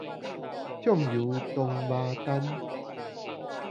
暢遊唐麻丹